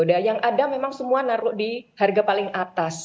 dan yang ada memang semua naruh di harga paling atas